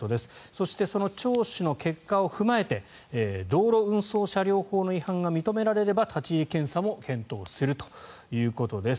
そしてその聴取の結果を踏まえて道路運送車両法の違反が認められれば、立ち入り検査も検討するということです。